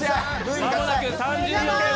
間もなく３０秒経過。